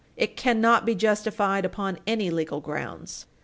It cannot be justified upon any legal grounds.